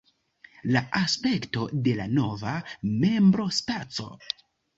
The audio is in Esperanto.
La aspekto de la nova membrospaco.